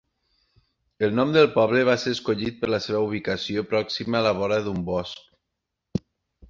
El nom del poble va ser escollit per la seva ubicació pròxima a la vora d'un bosc.